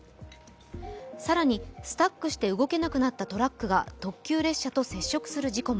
更に、スタックして動けなくなったトラックが特急列車と接触する事故も。